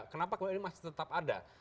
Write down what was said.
kenapa kemudian ini masih tetap ada